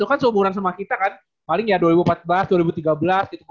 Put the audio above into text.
lu kan semua orang sama kita kan paling ya dua ribu empat belas dua ribu tiga belas gitu gue search